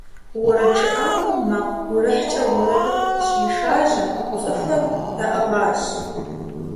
УэрэджыӀакӀуэм макъ гурыхькӀэ уэрэдыр щришажьэм, цӏыхухэм даӏыгъащ.